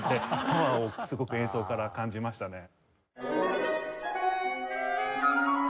パワーをすごく演奏から感じましたね。